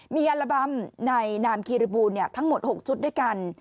มีอัลบัมในนามคีริบูลทั้งหมด๖ชุดด้วยกัน